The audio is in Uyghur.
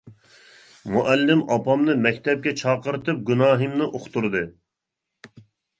مۇئەللىم ئاپامنى مەكتەپكە چاقىرتىپ گۇناھىمنى ئۇقتۇردى.